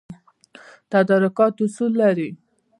تدارکات اصول لري